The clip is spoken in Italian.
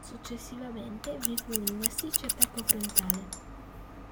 Successivamente vi fu un massiccio attacco frontale.